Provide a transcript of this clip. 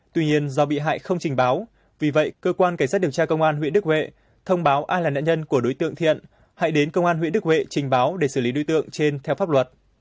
tuy nhiên do bị hại không trình báo vì vậy cơ quan cảnh sát điều tra công an huyện đức huệ thông báo ai là nạn nhân của đối tượng thiện hãy đến công an huyện đức huệ trình báo để xử lý đối tượng trên theo pháp luật